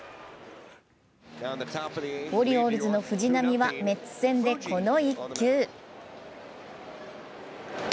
オリオールズの藤浪はメッツ戦でこの一球。